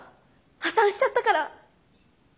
破産しちゃったから。